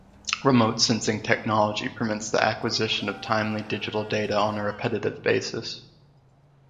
Remote-sensing technology permits the acquisition of timely digital data on a repetitive basis.